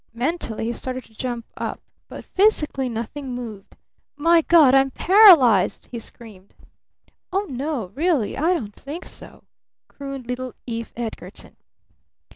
Mentally he started to jump up. But physically nothing moved. "My God! I'm paralyzed!" he screamed. "Oh, no really I don't think so," crooned little Eve Edgarton.